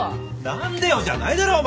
「何でよ」じゃないだろう。